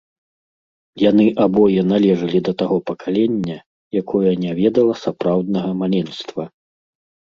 Яны абое належалі да таго пакалення, якое не ведала сапраўднага маленства.